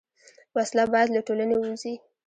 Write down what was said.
وسله باید له ټولنې ووځي